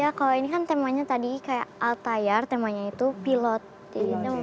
ya kalau ini kan temanya tadi kayak al tayar temanya itu pilot